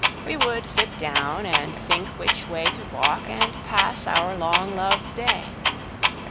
We would sit down, and think which wayTo walk, and pass our long Loves Day.